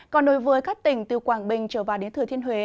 còn đối với các tỉnh từ quảng bình trở vào đến thừa thiên huế